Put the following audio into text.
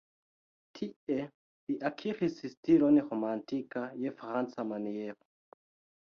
Tie li akiris stilon romantika je franca maniero.